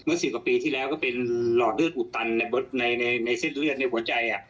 ๑๐กว่าปีที่แล้วก็เป็นหลอดเลือดอุดตันในเส้นเลือดในหัวใจ